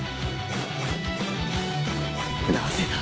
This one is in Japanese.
なぜだ